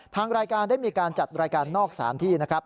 ทางรายการได้มีการจัดรายการนอกสถานที่นะครับ